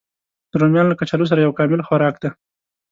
رومیان له کچالو سره یو کامل خوراک دی